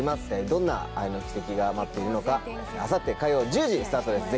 どんな愛の奇跡が待っているのかあさって火曜１０時スタートです